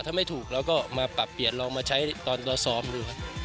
ถ้าไม่ถูกเราก็มาปรับเปลี่ยนลองมาใช้ตอนเราซ้อมดูครับ